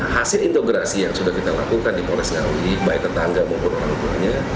hasil integrasi yang sudah kita lakukan di polres ngawi baik tetangga maupun orang tuanya